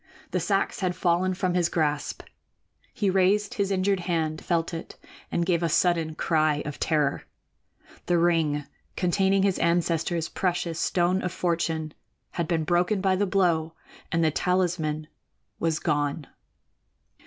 The sacks had fallen from his grasp. He raised his injured hand, felt it, and gave a sudden cry of terror. The ring containing his ancestor's precious Stone of Fortune had been broken by the blow and the talisman was gone.